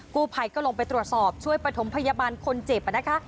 กู้ภัยก็ลงไปตรวจสอบช่วยประถมพยาบาลคนเจ็บนะคะ